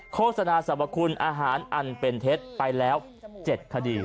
โฆษณาสรรพคุณอาหารอันเป็นเท็จไปแล้ว๗คดี